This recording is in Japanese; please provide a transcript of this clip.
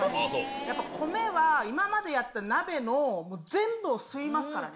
やっぱ米は、今までやった鍋の全部を吸いますからね。